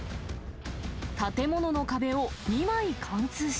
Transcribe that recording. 建物の壁を２枚貫通し、